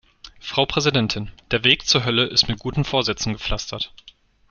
Frau Präsidentin! Der Weg zur Hölle ist mit guten Vorsätzen gepflastert.